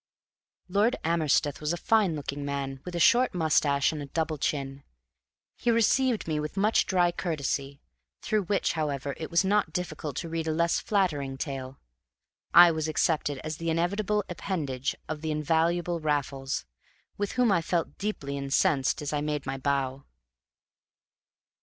Lord Amersteth was a fine looking man with a short mustache and a double chin. He received me with much dry courtesy, through which, however, it was not difficult to read a less flattering tale. I was accepted as the inevitable appendage of the invaluable Raffles, with whom I felt deeply incensed as I made my bow.